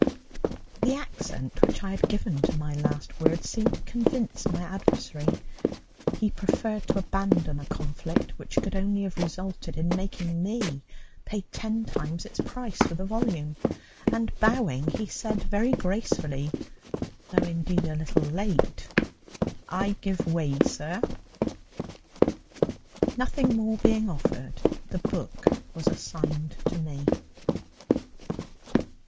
The accent which I had given to my last word seemed to convince my adversary; he preferred to abandon a conflict which could only have resulted in making me pay ten times its price for the volume, and, bowing, he said very gracefully, though indeed a little late: "I give way, sir." Nothing more being offered, the book was assigned to me.